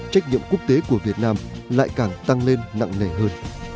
trách nhiệm quốc tế của việt nam lại càng tăng lên nặng nề hơn